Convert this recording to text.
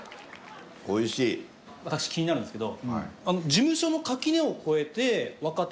私気になるんですけど。